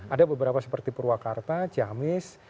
ada beberapa seperti purwakarta ciamis